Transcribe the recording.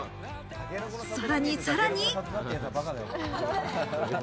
さらにさらに。